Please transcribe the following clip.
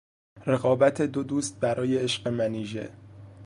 رقابت دو دوست برای عشق منیژه